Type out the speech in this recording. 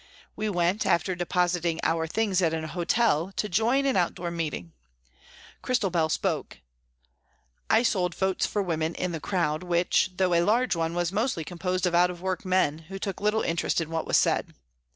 We went, after depositing our things at an hotel, to join an outdoor meeting. Christabel spoke. I sold Votes for Women in the crowd, which, though a large one, was mostly composed of out of work men, who took little interest in what was said.